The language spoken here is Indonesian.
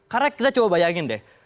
karena kita coba bayangin deh